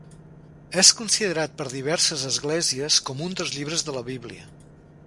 És considerat per diverses esglésies com un dels llibres de la Bíblia.